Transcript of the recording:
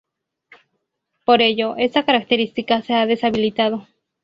Por ello, esta característica se ha deshabilitado.